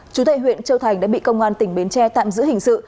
chú tại huyện châu thành đã bị công an tỉnh bến tre tạm giữ hình sự